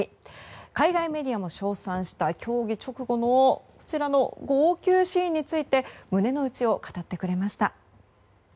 海外メディアも称賛した競技直後の号泣シーンについて胸の内を語ってくれました。